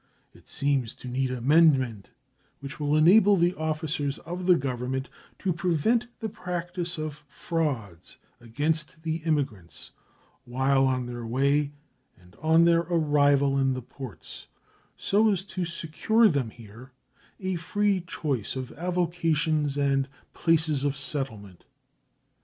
It seems to need amendment which will enable the officers of the Government to prevent the practice of frauds against the immigrants while on their way and on their arrival in the ports, so as to secure them here a free choice of avocations and places of settlement.